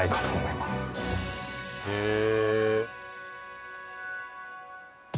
へえ。